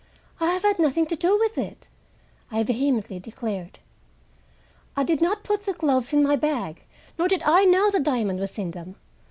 "I have had nothing to do with it," I vehemently declared. "I did not put the gloves in my bag, nor did I know the diamond was in them.